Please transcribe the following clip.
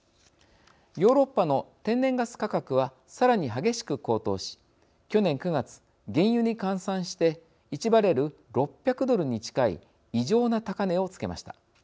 ヨーロッパの天然ガス価格はさらに激しく高騰し去年９月、原油に換算して１バレル６００ドルに近い異常な高値をつけました。